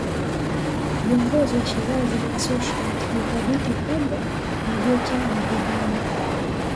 Viongozi wa Shirazi Association ni Thabit Kombo na Jecha Muhidini